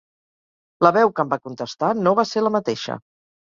La veu que em va contestar no va ser la mateixa.